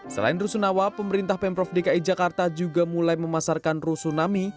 selain rusunawa pemerintah pemprov dki jakarta juga mulai memasarkan rusunami